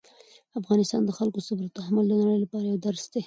د افغانستان د خلکو صبر او تحمل د نړۍ لپاره یو درس دی.